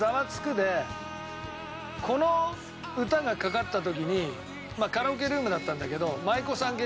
この歌がかかった時にカラオケルームだったんだけど。っていう話をしたんです。